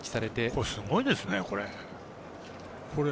すごいですね、これ。